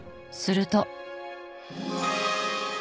すると。